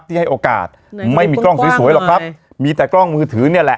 ให้โอกาสไม่มีกล้องสวยสวยหรอกครับมีแต่กล้องมือถือเนี่ยแหละ